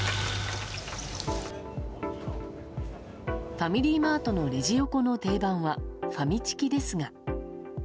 ファミリーマートのレジ横の定番はファミチキですが。